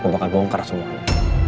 gue bakal bongkar semua